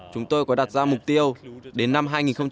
chúng tôi có đặt ra mục tiêu đến năm hai nghìn ba mươi